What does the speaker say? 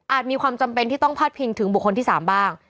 มีความจำเป็นที่ต้องพาดพิงถึงบุคคลที่๓บ้าง